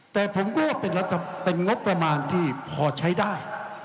แต่ผมก็ว่าเป็นงบประมาณที่พอใช้ได้